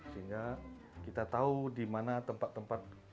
sehingga kita tahu di mana tempat tempat